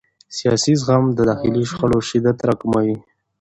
سیاسي زغم د داخلي شخړو شدت راکموي